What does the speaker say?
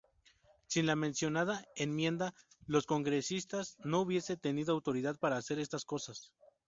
Sin la mencionada enmienda los congresistas no hubiesen tenido autoridad para hacer estas cosas.